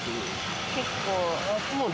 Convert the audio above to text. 結構。